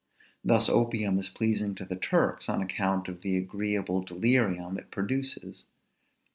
Thus opium is pleasing to Turks, on account of the agreeable delirium it produces.